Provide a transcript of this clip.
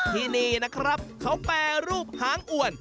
ที่นี่นะครับเขาแปรรูปหางอ่วน